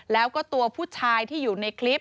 แล้วก็ตัวผู้ชายที่อยู่ในคลิป